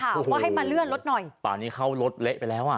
บอกว่าให้มาเลื่อนรถหน่อยป่านี้เข้ารถเละไปแล้วอ่ะ